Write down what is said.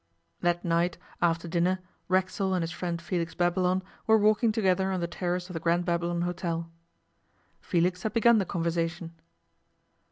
That night, after dinner, Racksole and his friend Felix Babylon were walking together on the terrace of the Grand Babylon Hôtel. Felix had begun the conversation.